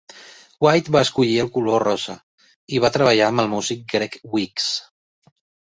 White va escollir el color rosa, i va treballar amb el músic Greg Weeks.